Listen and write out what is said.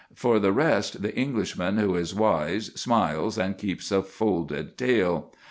For the rest the Englishman who is wise smiles and keeps a folded tale.